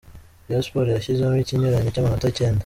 Rayon Sports yashyizemo ikinyuranyo cy’amanota icyenda.